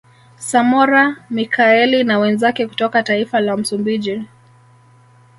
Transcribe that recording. Samora Michaeli na wenzake kutoka taifa la Msumbiji